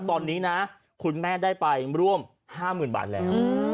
ตอนนี้นะคุณแม่ได้ไปร่วม๕๐๐๐บาทแล้ว